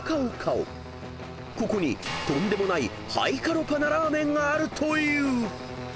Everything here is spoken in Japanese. ［ここにとんでもないハイカロパなラーメンがあるという］